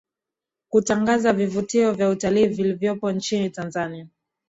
kutangaza vivutio vya utalii vilivyopo nchini Tanzania